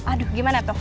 aduh gimana tuh